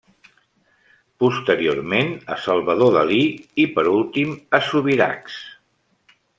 Posteriorment a Salvador Dalí i, per últim, a Subirachs.